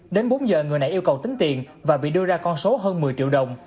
đến bốn giờ người này yêu cầu tính tiền và bị đưa ra con số hơn một mươi triệu đồng